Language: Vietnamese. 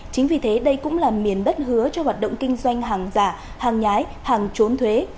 chính vì thế đây cũng là miền đất hứa cho hoạt động kinh doanh hàng giả hàng nhái hàng trốn thuế